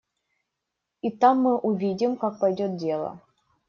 И там мы увидим, как пойдет дело.